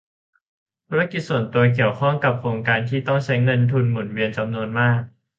ธุรกิจส่วนตัวเกี่ยวข้องกับโครงการที่ต้องใช้เงินทุนหมุนเวียนจำนวนมาก